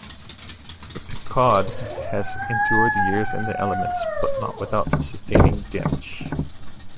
The "Pequod" has endured the years and the elements, but not without sustaining damage.